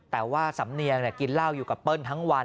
แต่ว่าสำเนียงกินเหล้าอยู่กับเปิ้ลทั้งวัน